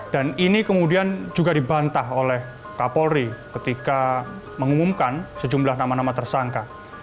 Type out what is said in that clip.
dan ini kemudian juga dibantah oleh kapolri ketika mengumumkan sejumlah nama nama tersangka